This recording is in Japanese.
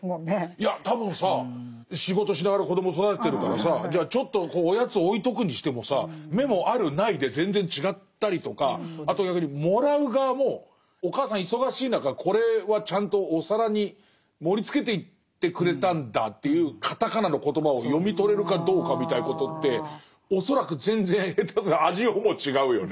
いや多分さ仕事しながら子ども育ててるからさじゃあちょっとおやつ置いとくにしてもさメモあるないで全然違ったりとかあとやはりもらう側もお母さん忙しい中これはちゃんとお皿に盛りつけていってくれたんだというカタカナのコトバを読み取れるかどうかみたいなことって恐らく全然下手すりゃ味をも違うよね。